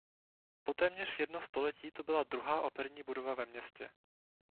Po téměř jedno století to byla druhá operní budova ve městě.